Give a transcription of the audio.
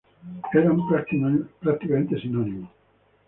Eran prácticamente sinónimos.